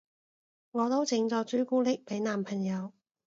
我都整咗朱古力俾男朋友